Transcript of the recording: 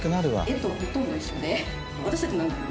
絵とほとんど一緒で。